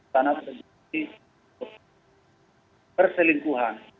tanah terjadi di perselingkuhan